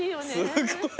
すごい。